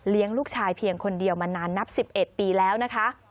ลูกชายเพียงคนเดียวมานานนับ๑๑ปีแล้วนะคะ